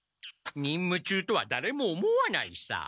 任務中とはだれも思わないさ。